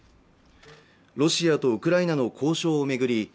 ロシアとウクライナの交渉を巡り